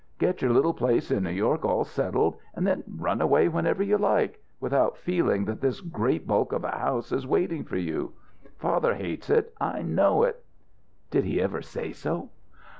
Get your little place in New York all settled, and then run away whenever you like, without feeling that this great bulk of a house is waiting for you. Father hates it; I know it." "Did he ever say so?"